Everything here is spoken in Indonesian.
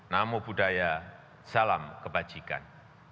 namo buddhaya salam kebajikan